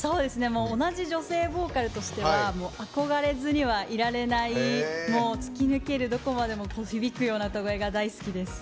同じ女性ボーカルとしては憧れずにはいられない突き抜けるどこまでも響くような歌声が大好きです。